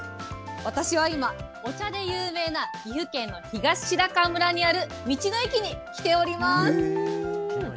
私は今、お茶で有名な岐阜県の東白川村にある道の駅に来ております。